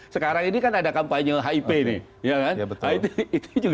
sekarang ini kan ada kampanye hip nih